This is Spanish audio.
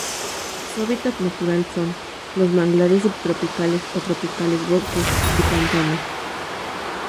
Su hábitat natural son: los manglares subtropicales o tropicales bosques y pantanos.